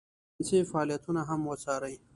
فرانسې فعالیتونه هم وڅاري.